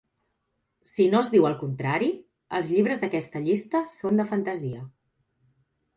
Si no es diu el contrari, els llibres d'aquesta llista són de fantasia.